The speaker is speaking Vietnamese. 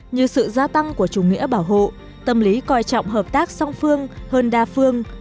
như sự gia tăng của chủ nghĩa bảo hộ tâm lý coi trọng hợp tác song phương hơn đa phương